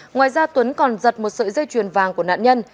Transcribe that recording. ngoài ra tuấn còn giật một sợi dây chuyền vàng của nạn nhân